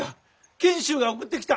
賢秀が送ってきた！